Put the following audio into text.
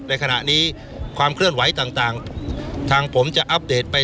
ในขณะนี้ความเคลื่อนไหวต่างทางผมจะอัปเดตไป